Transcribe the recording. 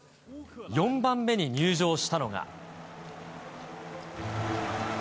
４番目に入場したのが。